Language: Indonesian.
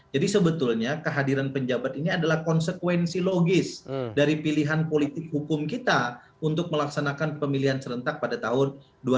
jadi sebetulnya kehadiran penjabat ini adalah konsekuensi logis dari pilihan politik hukum kita untuk melaksanakan pemilihan serentak pada tahun dua ribu dua puluh empat